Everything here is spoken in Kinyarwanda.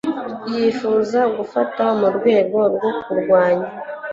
yifuza gufata mu rwego rwo kurwanya